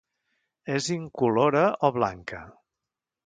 És incolora o blanca.